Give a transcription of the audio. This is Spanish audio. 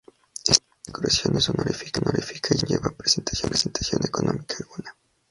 Esta condecoración es honorífica ya que no conlleva prestación económica alguna.